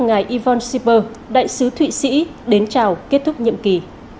ngày yvonne schipper đại sứ thụy sĩ đến chào kết thúc nhiệm kỳ